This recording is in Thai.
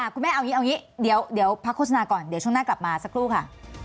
คุณแม่เอางี้เดี๋ยวพักโฆษณาก่อนเดี๋ยวช่วงหน้ากลับมาสักครู่ค่ะ